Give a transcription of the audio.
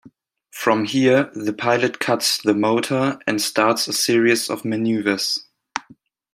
From here the pilot cuts the motor and starts a series of maneuvers.